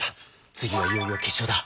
次はいよいよ決勝だ。